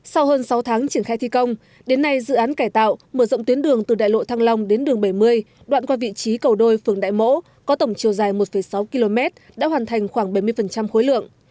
sau hơn sáu tháng triển khai thi công đến nay dự án cải tạo mở rộng tuyến đường từ đại lộ thăng long đến đường bảy mươi đoạn qua vị trí cầu đôi phường đại mỗ có tổng chiều dài một sáu km đã hoàn thành khoảng bảy mươi khối lượng